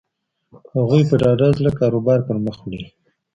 هغوی په ډاډه زړه کاروبار پر مخ وړي.